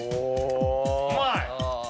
うまい！